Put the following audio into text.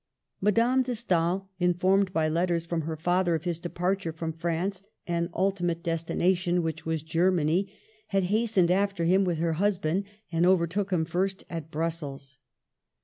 Madame de Stael, informed by letters from her father of his departure from France and ultimate destination (which was Germany), had hastened after him with her husband and overtook him first at Brussels.